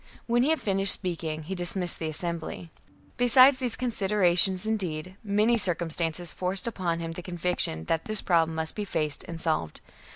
When he had finished speaking, he dis missed the assembly. Besides these considerations, indeed, many circumstances forced upon him the conviction that this problem must be faced and solved.